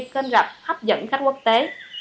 kênh rạp hấp dẫn khách quốc tế